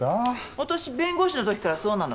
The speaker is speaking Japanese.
私弁護士のときからそうなの。